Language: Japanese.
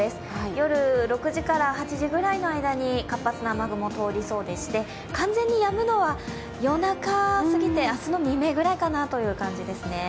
夜６時から８時ぐらいの間に活発な雨雲通りそうでして完全にやむのは夜中すぎて明日の未明ぐらいかなという感じですね。